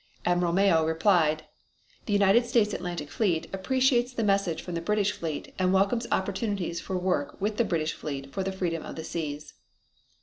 Admiral Mayo replied: The United States Atlantic Fleet appreciates the message from the British fleet and welcomes opportunities for work with the British fleet for the freedom of the seas.